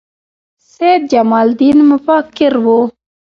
سید جمال الدین مفکر و